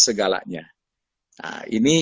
segalanya nah ini